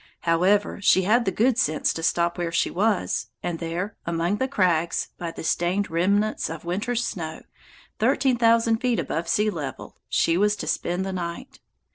However, she had the good sense to stop where she was, and there, among the crags, by the stained remnants of winter's snow, thirteen thousand feet above sea level, she was to spend the night.